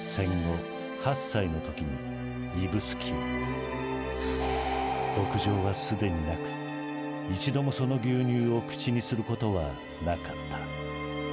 両親の仕事の都合で牧場はすでになく一度もその牛乳を口にすることはなかった。